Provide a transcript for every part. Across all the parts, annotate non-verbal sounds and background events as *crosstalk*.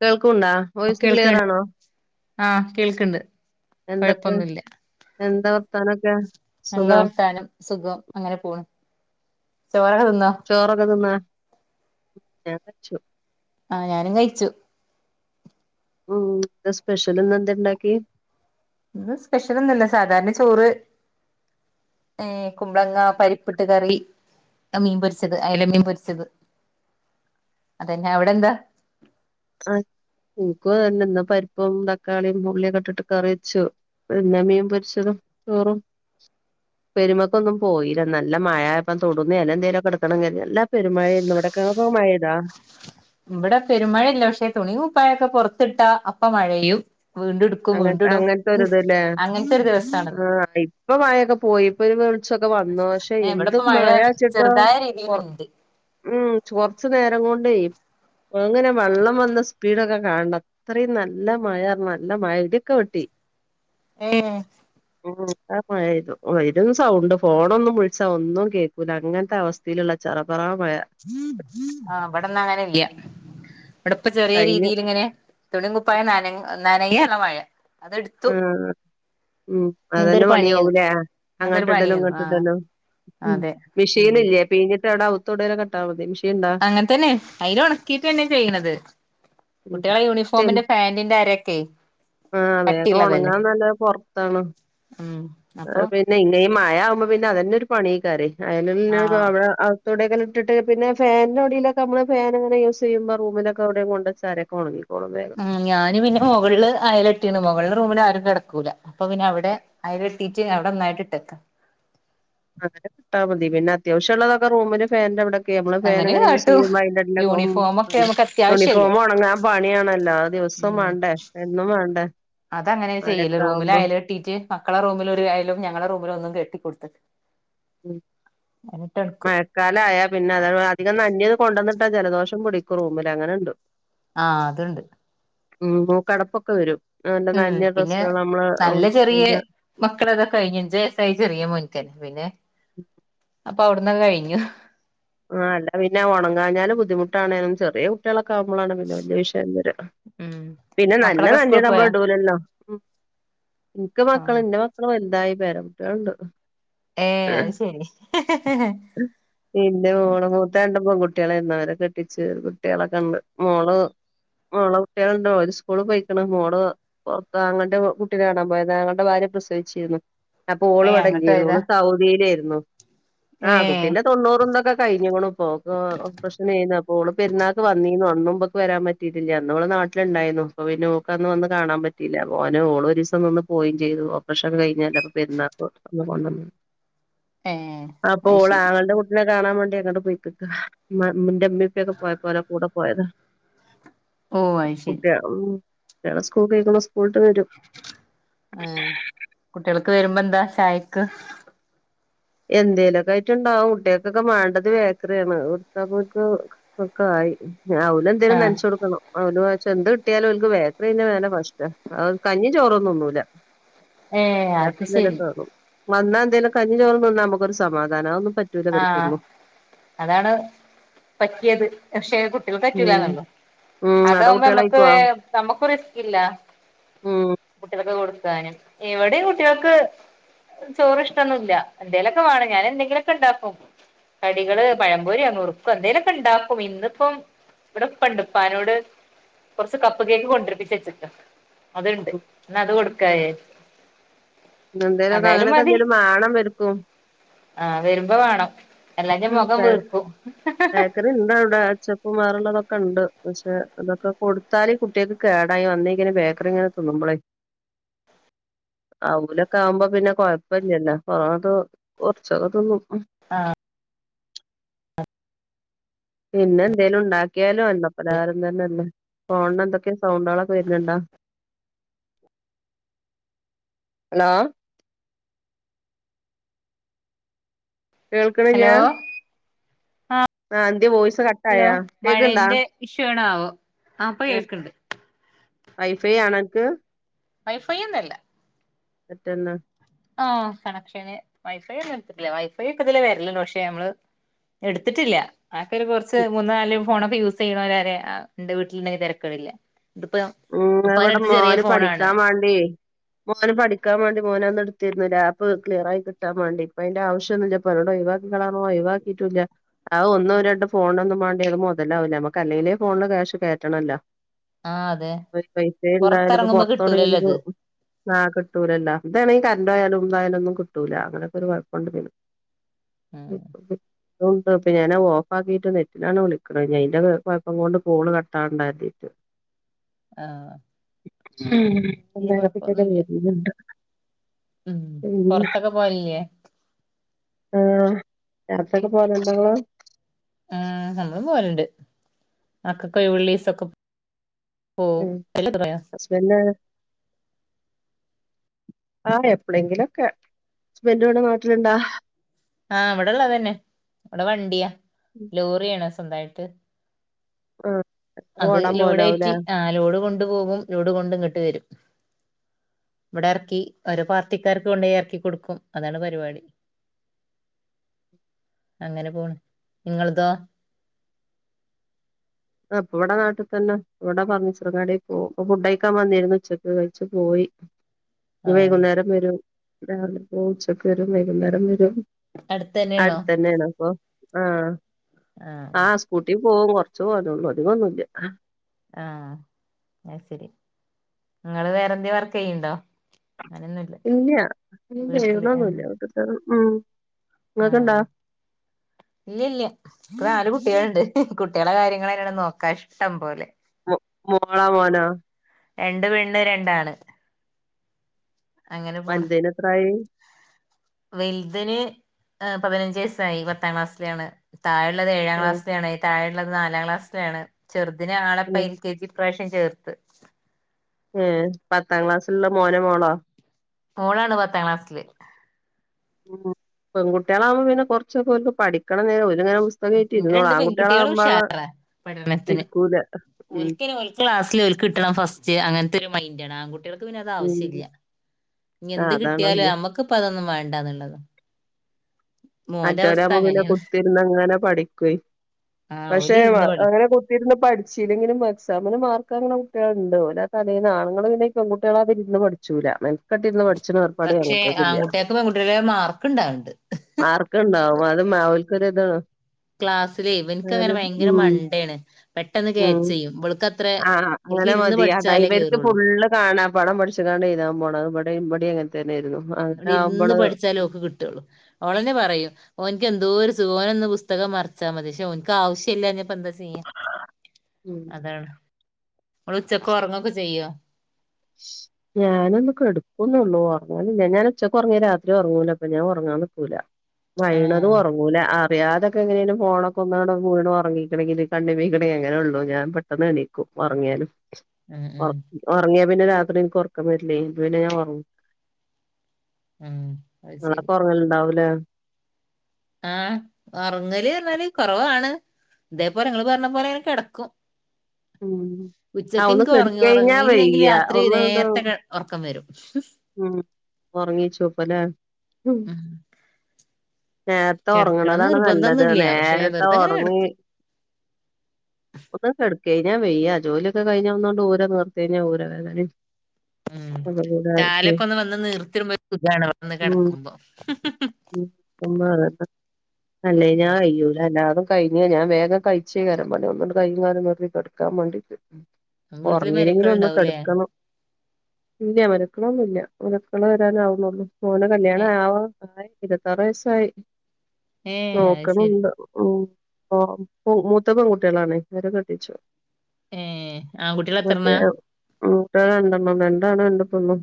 കേൾക്കുണ്ടാ voice കേൾക്കണ്ട് ക്ലിയറാണോ? ആഹ് കേൾക്ക്‌ണ്ട് എന്തൊക്കെ കൊഴപ്പൊന്നുല്ല എന്താ വർത്താനൊക്കെ സുഖം നല്ലവർത്താനം സുഖം. അങ്ങനെ പോണ്. ചോറൊക്കെ തിന്നോ? ചോറൊക്കെ തിന്നാ ഞാൻ ച്ചു ആഹ് ഞാനും കഴിച്ചു ഉം ന്ത സ്പെഷ്യല്ന്നെന്താണ്ടാക്കി ഇന്ന് സ്പെഷ്യലൊന്നുല്ല സാധാരണ ചോറ് ഏഹ് കുമ്പളങ്ങ പരിപ്പിട്ട് കറി മീൻ പൊരിച്ചത് അയല മീൻ പൊരിച്ചത് അതന്നെ. അവിടെന്താ? ആഹ് ൻക്കും അതെന്നെ ന്ന് പരിപ്പും തക്കാളിയും ഉള്ളിയൊക്കെ ഇട്ടിട്ട് കറി വച്ചു. പിന്നെ മീൻ പൊര്ച്ചതും ചോറും ഉപ്പേരിമ്മക്കൊന്നും പോയില നല്ല മഴായപ്പൊ തൊടൂന്ന് എലന്തേലൊക്കെട്ക്കണം കര്തി നല്ല പെരുമഴയേര്ന്നുവടെ ക്കപ്പൊ മഴെയ്താ? ഇവിടെ പെരുമഴല്ല പക്ഷെ തുണീം കുപ്പായൊക്കെ പുറത്തിട്ടാ അപ്പ മഴെയ്യും വീണ്ടുട്ക്കും അങ്ങൻ അങ്ങൻത്തൊര്ത് ലേ ഒരു ദിവസാണിന്ന് ആഹ് ഇപ്പ മയൊക്കെ പോയി പ്പൊര് വെൾച്ചൊക്കെ വന്നു പക്ഷെ ഏഹ് എന്ത് ഇവിടെപ്പ മഴ മഴാച്ച്ട്ടാ ചെറുതായ പൊർ രീതിയിലുണ്ട് മ് കൊറച്ച്നേരം കൊണ്ടേ ഇവട്ങ്ങനെ വെള്ളം വന്ന സ്പീഡൊക്കെ കാണണം അത്രയും നല്ല മയന്ന ല്ല മയ ഇടിയൊക്കെ വെട്ടി ഏഹ് എന്താ മഴപെയ്തു വെറും സൗണ്ട് ഫോണൊന്നും വിളിച്ചാ ഒന്നും കേ നിക്കൂല അങ്ങനത്തവസ്ഥീലുള്ള ചറപറാ മഴ ആഹ് ഇവടെന്നാ അങ്ങനെല്ല്യ ഇവിടെപ്പ ചെറിയ കഴിഞ്ഞു രീതീലിങ്ങനെ തുണിം കുപ്പായും നന നനയ്യാണ് മയ അത്ട്ത്തു ആഹ് ഉം അതന്നെ പണിയാവൂലേ ഇന്നതൊരു അങ്ങട്ടിടലും പണിയായിരുന്നു ആഹ് ഇങ്ങട്ടിടലും ഉം അതെ ഉം മിഷീനില്ലേ പിയിഞ്ഞിട്ടവ്ടവുത്ത് അവ്ത്തേടെലൊക്ക്ട്ടാ മതി മിഷീന്ണ്ടാ അങ്ങന് തന്നെ അയിലൊണക്കീട്ടെന്നെ ചെയ്യ്ണത് ഉം കുട്ട്യാളെ യൂണിഫോമിന്റെ പാന്റിന്റരക്കെയ് കട്ടി ഇത് ഒണങ്ങാൻ നല്ലത് പൊറത്താണ് ഉം അപ്പൊ പിന്നെ യില്ലേ ഈ മഴയാകുമ്പൊ പിന്നെ അതെന്നൊരു പണിയ്ക്കാരെയ് ആഹ് അയ്ലിന്റൊക്കവ്ടെ ആഹ് യൊവ്ടെങ്കിലുട്ട്ട്ട് പിന്നെ ഫെനിന്റെടിലൊക്കെ നമ്മള് ഫെനങ്ങനെ യൂസെയ്യുമ്പൊ റൂമിലൊക്കെവ്ടെം കൊണ്ടെച്ചാ അരെക്കൊണങ്ങി ആഹ് ഞാന് പിന്നെ മുകള്ല് അയലെട്ടിണ് മുകളിലെ റൂമിലാരും കെടക്കൂല അപ്പൊ പ്പിന്ന അവിടെ അയലെട്ടീട്ട് അവിടൊന്നായിട്ട് ട്ടേക്കാ അങ്ങനെക്ക്ട്ടാമതി പിന്നത്യാവശ്യള്ളതൊക്കെ റൂമില് ഫെനിന്റെവ്ടെ നമ്മള് അങ്ങനെ ഫേനങ്ങനെ കാട്ടും യൂസെയ്യുമ്പൊ അതിന്റെടിലൊക്കും യൂണിഫോമൊക്കെ മാണ്ടേ നമുക്ക് അത്യാവശ്യല്ലേ യൂണിഫോമൊണങ്ങാൻ പണിയാണല്ലോ ദിവസം വേണ്ടേ എന്നും വേണ്ടേ അതങ്ങനെയാ ചെയ്യല് മഴയൊക്കെ ആവുമ്പോ റൂമിലയ്ലെട്ടീട്ട് മക്കളെ റൂമിലൊരയലും ഞങ്ങളെ റൂമിലൊന്നും കെട്ടിക്കൊട്ത്തക്ക ഉം മഴ മഴക്കാലായാ പിന്നെ അതാ അധികം ന്നനഞ്ഞത് കൊണ്ടന്ന്ട്ടാ ജലദോഷം പിടിക്കും റൂമില് അങ്ങന്ണ്ട് ആഹ് അത്ണ്ട് ഉം മൂക്കടപ്പൊക്കെ വരും അതോണ്ട് ഉം ന്നഞ്ഞ പിന്നെ ഡ്രസ്സുകൾ നമ്മള് നല്ല ചെറിയ *unintelligible* മക്കളതൊക്കെ കയ്ഞ്ഞു അഞ്ചയ്സ്സായി ചെറിയ മോന്ക്കെന്നെ പിന്നെ ഉം അപ്പൊ അവ്ട്ന്നൊക്കെ കയ്ഞ്ഞു ആഹ് അല്ല പിന്നെ ഒണങ്ങാഞ്ഞാലും ബുദ്ധിമുട്ടാണെനും ചെറിയ കു കുട്ട്യാളൊക്കാകുമ്പൊളാണ് പിന്നെ വലിയ വിഷയം വെര ഉം പിന്നെ നല്ല മക്കളൊക്കെ നെഞത് സ്കൂളി നമ്മള് പോയാ ഇടൂലല്ലോ ഉം ഇന്ക്ക് മക്കള് ആഹ് ഇന്റെ മക്കള് മക്കള് വല്തായി പേരക്കുട്ട്യാള്ണ്ട് ഏഹ് അഹ് ശെരി എന്റെ മോള് മൂത്തരണ്ടും പെൺകുട്ട്യാളായിര്ന്നു അവരെ കെട്ടിച്ച് കുട്ട്യാളെക്ക്ണ്ട് മോള് മോളെ കുട്ട്യാള്ണ്ട് ഓര്സ്കൂള് പോയ്ക്ക്ണ് മോള് പൊറത്ത് അങ്ങളെന്റെ കുട്ടിനെ കാണാൻ പോയതാ ആങ്ങളെന്റെ ഭാര്യ പ്രസവിച്ചിര്ന്ന് ഏഹ് അങ്ങട്ട് അപ്പോള്വ്ടെല്ല്യര്ന്നു പോയതാ ഓള് സൗദിലെര്ന്നു ആഹ് ഏഹ് കുട്ടിന്റെ തൊണ്ണൂറും ഇതൊക്കെ കയ്ഞ്ക്ക്ണു ഇപ്പോ ഓക്ക് ഓപ്പറേഷനായിന്നു അപ്പോ ഓള് പെര്ന്നാക്ക് വന്നീനു അന്നും ഇബക്ക് വരാൻ പറ്റീട്ടില്ല അന്നോള് നാട്ടില്ണ്ടായ്ന്നു അപ്പപ്പിന്നെ ഓക്ക് അന്ന് വന്ന് കാണാൻ പറ്റീല പിന്നെ ഓന് ഓള് ഒരീസം നിന്ന് പോയിം ചെയ്തു ഓപ്പറേഷന് ഒക്കെ കഴിഞ്ഞല്ലേ അപ്പൊ പെരുന്നാക്ക് ഒന്ന് കൊണ്ടന്നു ഏഹ് അത് അപ്പോള് ശരി ആങ്ങളടെ കൂട്ടിനെ കാണാൻ വേണ്ടി ണ്ടിയങ്ങണ്ട് പോയ്‌ക്കക്കാ മ്മാ ന്റെമ്മിപ്പിയൊക്കെ പോയപ്പോ ഓരെ കൂടെ പോയതാ ഓഹ് അയ്ശെരി കുട്ട്യാ ഉം കുട്ട്യാള് സ്കൂൾ കെയ്‌ക്കുണു സ്കൂള്ട്ട് വെരും ആഹ് കുട്ട്യാൾക്ക് വരുമ്പെന്താ ചായയ്ക്ക് എന്തേലൊക്കയ്റ്റ്ണ്ടാവും കുട്ടികൾക്കൊക്കെ മാണ്ടത് ബേക്കറിയാണ് അഹോട്ത്താപ്പോര്ക്ക് ഒക്കായി ഞ്ഞ അവ് ലെന്തേലും ആഹ് നന്ച്ച് കൊട്ക്കണം *unintelligible* എന്ത് കിട്ട്യാലും ഓൽക്ക് ബേക്കറി *unintelligible* ഫസ്റ്റ അത് കഞ്ഞി ചോറും തിന്നൂല ഏഹ് അത് ശരി വന്നാ എന്തേലും കഞ്ഞി ചോറും തിന്നാ ഞമ്മക്കൊരു സമാധാന അതൊന്നും പറ്റ് ആഹ് അതാണ് പറ്റ്യേത് പക്ഷേ കു ട്ട്യാൾക്ക്‌ ഉം പറ്റൂലാന്നൊള്ളു ഉം അവിടെ അതാവുമ്പോ കുട്ടികള് നമ്മക്ക് കഴിക്കുവോ നമ്മക്കും റിസ്ക്കില്ല ഉം കുട്ടികൾക്ക് കൊടുക്കാനും ഇവടിം കുട്ട്യാക്ക് ചോറ് ഇഷ്ടൊന്നുല്ല എന്തേലൊക്കെ വാണം ഞാൻ എന്തെങ്കിലൊക്കെ ണ്ടാക്കും കടികള് പഴംപൊരിയോ നുറുക്കോ എന്തെങ്കിലൊക്കെ ണ്ടാക്കും ഇന്നിപ്പം ഇവടെ പ്പണ്ട് പ്പാനോട് കൊർച്ച് കപ്പ കേക്ക് കൊഡ്രിപ്പിച്ചെച്ച്ക്ക അത്ണ്ട് ഇന്നത് കൊട്ക്കായേ എന്തേലൊക്കെ മതി അങ്ങനൊക്കെന്തേലും വാണവര്ക്കും വെരുമ്പോ വാണം അല്ലാഞ മൊഖം വീർക്കും ക്ക്‌റണ്ടവടെ അച്ചപ്പും വേറെള്ളതൊക്കെ ണ്ട് പക്ഷെ അതൊക്കെ കൊടുത്താല് കുട്ട്യാക്ക് കേട വന്നെയ്ക്കെന്നെ ബേക്കറിങ്ങനെ തിന്നുബ്ലെ അവുലൊക്കാവുമ്പോ പിന്നെ കൊഴപ്പില്ലല്ലോ ആദു കൊർച്ചൊക്കെ തിന്നും ആഹ് പിന്നെ എന്തേലും ണ്ടാക്യാലും എണ്ണ പ്പലഹാരം തെന്നല്ലെ ഫോൺനെന്തൊക്കെ സൗണ്ടാളൊക്കെ വെര്ണ് ണ്ടോ ഹലോ ഹലോ കേൾക്കണില്ലാ ആഹ് ആ എന്തേ വോയിസ് ഹലോ കട്ടായാ കേക്കണ്ടാ മഴന്റെ ഇഷ്യു ണാവോ ആഹ് പ്പൊ കേൾക്ക്‌ണ്ട് വൈഫൈ ആണോ അൻക്ക്‌ വൈഫൈ ഒന്നുല്ല മറ്റന്ന ആഹ് കണക്ഷന് വൈഫൈ ഒന്നും ഇട്ത്തിട്ടില്ല വൈഫൈ ഒക്കെ ഇതിലെ വെര്ല്ണ്ട് പക്ഷെ നമ്മള് എട്ത്ത്ട്ടില്ല അതൊക്കൊരു കൊർച്ച് മൂന്നാലും ഫോണൊക്കെ യൂസെയ്യ്ണോരാരെ ഇന്റെ വീട്ടില്ണ്ടെ തെരക്കേടില്ല ഇതിപ്പം ഉം അത് ഇവടെ മോന് പഠിക്കാൻ വാണ്ടി മോന് പഠിക്കാൻ വാണ്ടി മോനന്ന് ഇട്ത്തിര്ന്നു ലാപ്പ്ക്ലിയറായി കിട്ടാൻ വാണ്ടി പ്പയ്ന്റെ ആവശ്യോന്നുല്ല പ്പോനോട്‌ ഒയ് വാക്കിക്കാളാന്ന് പർഞ് ഓൻ ഒയ് വാക്കിറ്റുല്ല അത് ഒന്നും രണ്ടും ഫോണ്നൊന്നും മാണ്ടി അത് മൊതലാവൂല ഞമ്മക്കല്ലെങ്കിലേ ഫോണില് ക്യാഷ് കേറ്റണല്ലോ ആഹ് അതെ ഒരു പൈസേ ണ്ടാവൂല ഇപ്പൊ പൊറത്തിറങ്ങുമ്പോ കിട്ടൂലല്ലോ പൊർത്തെവടെങ്കിലും ഇത് ആഹ് കിട്ടൂലല്ലൊ താണെങ്കി കറൻറ് പോയാലും തായാലൊന്നും കിട്ടൂല അങ്ങനൊക്കൊരു കൊഴപ്പണ്ട് ത്ന് ഉം *unintelligible* *unintelligible* ഞാനത് ഓഫാക്കിട്ട് നെറ്റിലാണ് വിളിക്ക്‌ണത് ഞ്ഞി അയ്ന്റെ കൊഴപ്പം കൊണ്ട് ഫോണ് കട്ടാവണ്ടാ ര്തിട്ട് ആഹ് വല്യ ന്നാരൊക്കെക്കെ കൊഴപ്പൊന്നുല്ല വെര്ന്ന്ണ്ട് ഉം പൊർത്തൊക്കെ പോവലില്ലേ ആഹ് യാത്രക്കെ പോവല്ണ്ടോ ങ്ങളും ഉം നമ്മളും പോവൽണ്ട് മക്കക്ക്‌ ഒഴ്വ്ള്ളീസൊക്കെ പോവും *unintelligible* ഹസ്ബന്റോ ആഹ് എപ്ലെങ്കിലൊക്കെ ഹസ്ബന്റ് വടെ നാട്ടില്ണ്ടോ ആഹ് ഇവടെള്ളതെന്നെ ഇവടെ വണ്ട്യ ഉം ലോറിയാണോ സ്വന്തമായിട്ട് ആഹ് ഓടാൻ പോകലാവുലേ ലോട് കൊണ്ട് പോകും ലോട് കൊണ്ട് ഇങ്ങട്ട് വരും ഇവടെ എറക്കി ഓരോ പാർട്ടിക്കാർക്ക് കൊണ്ടോയി എറക്കി കൊടുക്കും അതാണ് പരിപാടി *inaudible* അങ്ങനെപോണ് നിങ്ങളതോ ഇപ്പ ഇവിടെ നാട്ടിൽതന്നെ ഇവടെ ഫർണിച്ചർ കടയിൽപോവും ഫുഡ്ഡ് കഴിക്കാൻ വന്നീര്ന്നു ഉച്ചക്ക് കഴിച്ചു പോയി ഇനി ആഹ് വൈകുന്നേരം വരും രാവിലെ പോവും ഉച്ചക്ക് വരും വൈകുന്നേരം വരും അടുത്തന്നെയാണോ അടുത്തന്നെണോ അപ്പൊ ആഹ് ആഹ് സ്കൂട്ടി പോകും കുറച്ച് ഓഹോ അതൊന്ന് അതിഗോന്നുല്യ ആഹ് അത് ശരി നിങ്ങള് വേറെ എന്തേലും വർക്ക് ചെയ്യുന്നുണ്ടോ അങ്ങനെ ഇല്ല്യ ഒന്നുംചെയ്യുന്നൊന്നില്ല വിട്ട്ത്തന്നെ ഉം ഇങ്ങക്ക്ണ്ടോ ആഹ് *inaudible* ഇല്ലേ ഇല്ല എനിക്ക് നാല് കുട്ടികളുണ്ട് കുട്ടികളെ കാര്യങ്ങള്തന്നേണ്ട് നോക്കാ ഇഷ്ടം പോലെ മോ മോളാ മോനോ രണ്ട് പെണ്ണ് രണ്ടാണ് അങ്ങനെ പോണ് വലുതേന് എത്രായി വലുതിന് ഏഹ് പതിനഞ്ച് വയസ്സായി പത്താം ക്ലാസ്സിലാണ് താഴെള്ളത് ഏഴാം ആഹ് ക്ലാസ്സിലാണ് താഴെയുള്ളത് നാലാം ക്ലാസിലാണ് ചെറുദിനെ ഞങ്ങളിപ്പ ആഹ് എൽ കെ ജി ഇപ്രാവശ്യം ചേർത്ത് ഏഹ് പത്താം ക്ലാസ്സിലുള്ളത് മോനോ മോളോ മോളാണ് പത്താം ക്ലാസ്സില് ഉം പെൺകുട്ടികളാവുമ്പോ പിന്നെ കുറച്ച് ഓൽക്ക് ഓൽക്ക് പഠിക്കണന്നേ ഓൽ ങ്ങനെ പുസ്തകായിട്ട് ഇത് ഇരുന്നോളും രണ്ട് പെൺകുട്ടികളും ആൺകുട്ടികളാകുമ്പോള് ഉഷാറാ പഠനത്തിന് ഇരിക്കൂല ഉം ഓൽക്കയ്ന് ഓൽക്ക് ക്ലാസ്സില് ഓല്ക്ക് കിട്ടണം ഫസ്റ്റ് അങ്ങനത്തെ ഒരു മൈൻ്റാണ് ആൺകു ട്ട്യേൾക്ക് പിന്നെ അത് ഉം ആവശ്യല്ല ഇനി ആഹ് എന്ത് അതാണ് കിട്ടിയാലും നമ്മക്ക്പ്പതൊന്നും വേണ്ടാന്നുള്ളതാ മോന്റെ അവസ്ഥ മറ്റോരാവുമ്പോ പിന്നെ അങ്ങനെയാണ് കുത്തിര്ന്ന് അങ്ങനെ പഠിക്കും ആ ഓല് പക്ഷേ ഇരുന്ന് പഠിക്കും അങ്ങനെ കുത് കുത്തിര്ന്ന് പഠിച്ചിലെങ്കിലും എക്സാമിന് മാർക്ക് വാങ്ങണ കുട്ടികളുണ്ട് ഒരാ തലേന്ന് ആണുങ്ങള് പിന്നെ പെൺകട്ടികളെ മാതിര്ന്ന് പഠി ച്ചൂല മെനക്കട്ടിര്ന്ന് പഠിക്കണ ഏർപ്പാട് പക്ഷെ ആൺകുട്ടേക്കില്യ ആൺകുട്ടികൾക്ക് പെൺകുട്ടികളെ മാർക്ക് ഇണ്ടാവലണ്ട് മാർക്കുണ്ടാവും അത് മാവൽക്കൊരു ഇതാണ് ക്ലാസ്സിലെ ഇവനിക്കങ്ങനെ ഭയങ്കര ഉം മണ്ടയാണ് പെട്ടെന്ന് ഉം കേച്ച് ചെയ്യും ഇൾക്ക് അത്രേ ആഹ് അങ്ങനെ മതി അതാ ഇവര്ക്ക് ഫുള്ള് കാണാ പാടം പഠിച്ച്ങ്ങാണ്ട് എഴുതാൻ പോണത് ഇവടെ ഇവടിം അങ്ങൻതന്നെര്ന്നു ഇവിടെ ഇരുന്ന് പഠിച്ചാലും ഓൾക്ക് കിട്ടൊള്ളു ഓളെന്നെ പറയും ഓനിക്ക് എന്തോരു സുഖാ ഒനൊന്ന് പുസ്തകം മറിച്ചാൽ മതി പക്ഷെ ഓൻക്ക് ആവശ്യം ഇല്ലാഞ്ഞാപ്പ എന്താ ചിയ്യാ ഉം അതാണ് ഇങ്ങള് ഉച്ചക്ക് ഉറങ്ങൊക്കെ ചെയ്യോ *unintelligible* ഞാനൊന്ന് കെടുക്കുന്നുള്ളൂ ഒറങ്ങലില്ല ഞാൻ ഉച്ചക്ക് ഒറങ്ങിയാ രാത്രി ഒറങ്ങൂല അപ്പൊ ഞാൻ ഒറങ്ങാൻ നിക്കൂല കൈണതും ആഹ് ഒറങ്ങു ങ്ങൂല അറിയാതെക്കെ എങ്ങനെലും ഫോണക്കൊന്നൺ വീണു ഒറക്കീക്കണെങ്കില് കണ്ണിമ്മിക്ക്ണെങ്കി അങ്ങനെയുള്ളൂ ഞാന് പെട്ടെന്ന് ണി ക്കും ഒറങ്ങിയാലും ആഹ് ആഹ് ഉറങ്ങിയാ പിന്നെ രാത്രി എനിക്ക് ഉറക്കം വരില്ലേ ഇത് പിന്നെ ഞാൻ ഉറങ്ങും ഉം അത് ശരി അവിടപ്പം ഉറങ്ങൽ ഇണ്ടാവൂല്ലേ ആഹ് ഉറങ്ങല് പറഞ്ഞാല് കുറവാണ് ഇതേപോലെ നിങ്ങള് പറഞ്ഞ പോലെ അങ്ങനെ കിടക്കും ഉം ആഹ് ഉച്ചക്ക്‌ ഒന്ന് എനിക്ക് ഉറങ്ങ കെടുക്കഴിഞ്ഞാ ഉറങ്ങിയില്ലെങ്കില് വയ്യ രാത്രി ഒന്ന്ണ്ട് നേരത്തെ കെ ഉറക്കം വരും ഉം ഉറങ്ങീച്ചോപ്പല്ലേ ഉം നേരത്തെ കിടക്കണം ഒറങ്ങണതാണ് നല്ലത് നിർബന്ധമൊന്നുമില്ല പക്ഷെ നേരത്തെ വെറുതെ അങ്ങനെ ഒറങ്ങി കിടക്കും *inaudible* ഒന്ന് കെടക്ക കഴിഞ്ഞാ വെയ്യാ ജോലിയൊക്കെ കഴിഞ്ഞ ഒന്നൊണ്ട് ഊര നിവർത്ത് കഴിഞ്ഞാ ഊര വേദനയും ഒന്നും കൂടായി ക്കെ ഒന്ന് വന്ന് നിർത്തിയിടുമ്പോ സുഗാണ് വന്ന് ഉം കെടക്കുമ്പോ *unintelligible* കഴിഞ്ഞ് ഞാൻ വേഗം കഴിച്ചേകാരം പണി ഒന്നൂടെ കയ്യും കാലും നിവർത്തി കിടക്കാൻ വേണ്ടീട്ട് വീട്ടില് മരക്കൾ ഒറങ്ങീല്ലെങ്കിലും ഒന്ന് ഉണ്ടാവൂലേ കെടക്കണം ഇല്ല മരുമക്കള് ഒന്നുവില്ല മരുമക്കള് വരാനാവുന്നുള്ളൂ മോന്റെ ഏ കല്യാണം ആവാൻ ആയി ഇരുപത്താറ് വയസ്സായി ഏ അത് ശരി നോക്കണുണ്ട് ഉം ഓഹ് മൂത്തത് പെൺകുട്ടികളാണ് ഓരെ കെട്ടിച്ചു ഏ ആൺകുട്ടികൾ മറ്റേ എത്രണ്ണാ മൂത്തത് രണ്ടെണം രണ്ടാണ് രണ്ട് പെണ്ണും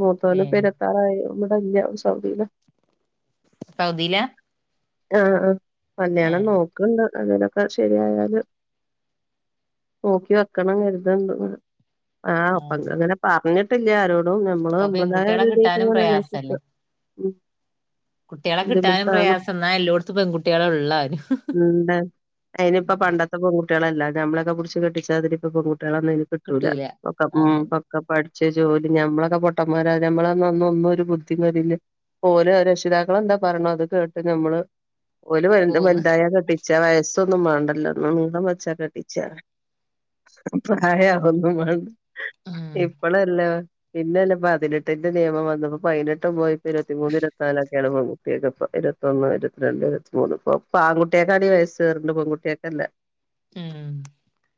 മൂത്തവന് ഏ ഇപ്പ ഇരുപത്താറായി ഇവടെ ഇല്ല സൗദിയിലാ സൗദീല ആഹ് ആഹ് കല്യാണം നോക്കണുണ്ട് അങ്ങനൊക്കെ ശരിയായാല് നോക്കി വെക്കണം കരുതണുണ്ട് അങ്ങനെ ആഹ് ആ അപ്പ ഞങ്ങൾ അങ്ങനെ പറഞ്ഞിട്ടില്ല ആരോടും നമ്മള് ഇപ്പൊ നമ്മടേതായ പെൺകുട്ടികളെ രീതിക്ക് കിട്ടാനും ഇങ്ങനെ പ്രയാസല്ലേ അന്വേഷിക്കും ഉം കുട്ടികളെ കിട്ടാനും ബുദ്ധിമുട്ടാണ് പ്രയാസം എന്നാ എല്ലോടുത്തും പെകുട്ടികള് ഒള്ളാനും ഇണ്ട് അതിനിപ്പ പണ്ടത്തെ പെൺകുട്ടികളല്ല നമ്മളെ ഒക്കെ പുടിച്ച് കെട്ടിച്ച മാതിരി ഇപ്പ പെൺകുട്ടികളൊന്നും ഇനി കിട്ടൂല ഒക്കെ അതന്നെ പൊക്കെ പഠിച്ച് ജോലി ഞമ്മളൊക്കെ പൊട്ടമാര ഞമ്മള് അന്നൊന്നും ഒരു ബുദ്ധി വരില്ല ഓല് രക്ഷിതാക്കളെന്താ പറയണെ അത് കേട്ട് നമ്മള് ഓല് വൽ പോന്ന് വലുതായ കെട്ടി ച്ച വയസ്സൊന്നും വാണ്ടല്ലോന് നിളം വെച്ചാ കെട്ടിച്ചാ പ്രായ ആവുവൊന്നും വേണ്ട ഉം ഇപ്പളെല്ലോ പിന്നെയല്ലേ പതിനെട്ടിന്റെ നിയമം വന്നപ്പോ പതിനെട്ടും പോയി ഇരുപത്തിമൂന്ന് ഇരുപത്തിനാലായി ചെല പെൺകുട്ടികൾക്കൊക്കെ ഇരുപത്തൊന്ന് ഇരുപത്തിരണ്ട് ഇരുപത്തിമൂന്ന് ഇപ്പൊ ആൺ കുട്ടികൾക്കാണ് വയസ്സ് കേറണത് പെൺകുട്ടികൾക്ക് അല്ല ഉം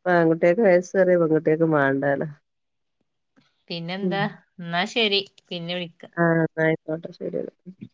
ഇപ്പൊ ആൺ കുട്ടികൾക്ക് വയസ്സേറിയ പെൺ കുട്ടികൾക്ക് വേണ്ടാലൊ പിന്നെന്താ എന്നാ ശരി പിന്നെ വിളിക്കാം ആഹ് *unintelligible* ആട്ടെ ശെരി എന്നാ